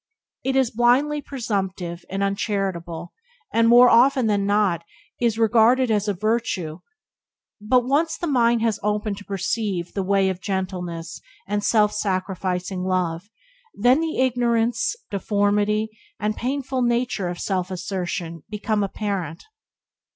It is blindly presumptive and uncharitable, and, more often than not, is regarded as a virtue; but when once the mind has opened to perceive the way of gentleness and self sacrificing love then the ignorance, deformity, and painful nature of self assertion become apparent.